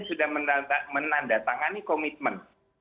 sudah menandatangani komitmen